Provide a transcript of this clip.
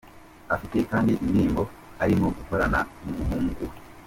Afite kandi indirimbo arimo gukorana n’umuhungu we.